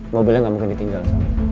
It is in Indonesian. mobilnya gak mungkin ditinggal